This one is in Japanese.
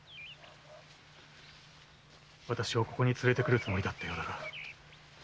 私をここに連れてくるつもりだったようだが。